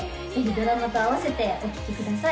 ドラマとあわせてお聴きください